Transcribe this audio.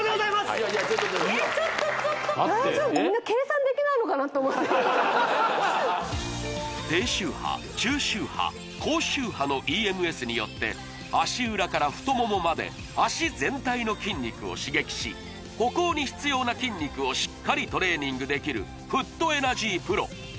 いやいやちょっとちょっと低周波中周波高周波のＥＭＳによって足裏から太ももまで脚全体の筋肉を刺激し歩行に必要な筋肉をしっかりトレーニングできるフットエナジーＰＲＯ